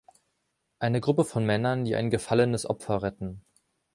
Eine Gruppe von Männern, die ein gefallenes Opfer retten.